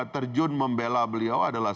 terjun membela beliau adalah